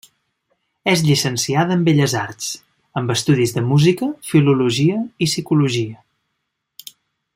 És llicenciada en Belles arts, amb estudis de música, filologia i psicologia.